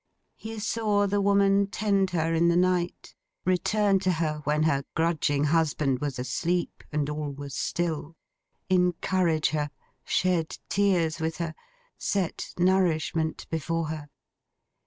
He saw the woman tend her in the night; return to her when her grudging husband was asleep, and all was still; encourage her, shed tears with her, set nourishment before her.